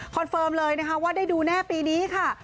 เฟิร์มเลยนะคะว่าได้ดูแน่ปีนี้ค่ะ